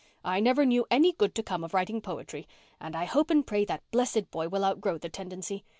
I never knew any good to come of writing poetry, and I hope and pray that blessed boy will outgrow the tendency.